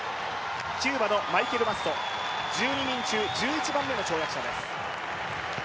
キューバのマイケル・マッソ、１２人中１１番目の跳躍者です。